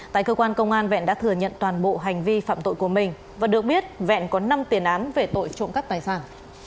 tại cơ quan công an vẹn đã thừa nhận toàn bộ hành vi phạm tội của mình và được biết vẹn có năm tiền án về tội trộm cắp tài sản